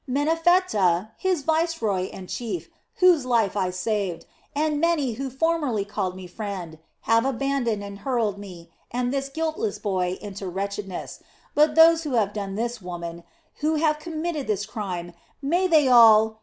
Menephtah, his vice roy and chief, whose life I saved, and many who formerly called me friend, have abandoned and hurled me and this guiltless boy into wretchedness, but those who have done this, woman, who have committed this crime, may they all...."